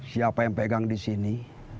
siapa yang pegang disini